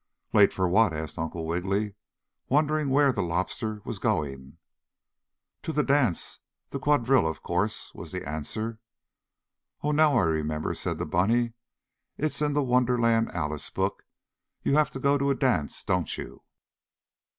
"Late for what?" asked Uncle Wiggily, wondering where the Lobster was going. "To the dance the quadrille, of course," was the answer. "Oh, now I remember," said the bunny. "It's in the Wonderland Alice book. You have to go to a dance, don't you?"